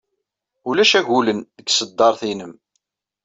Ulac agulen deg tṣeddart-nnem.